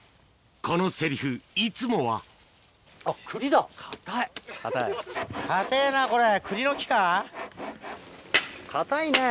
このセリフいつもは堅いね